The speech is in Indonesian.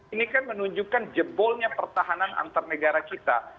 ini kan menunjukkan jebolnya pertahanan antar negara kita